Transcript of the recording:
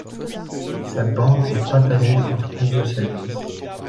Cette bande est partagée entre plusieurs services.